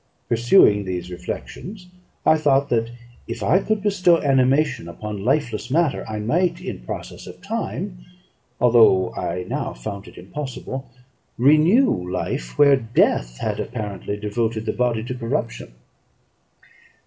Pursuing these reflections, I thought, that if I could bestow animation upon lifeless matter, I might in process of time (although I now found it impossible) renew life where death had apparently devoted the body to corruption.